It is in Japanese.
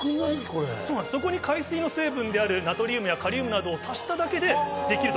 そこに海水の成分である、ナトリウムやカリウムを足しただけでできると。